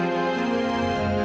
nanti kita berdua bisa berdua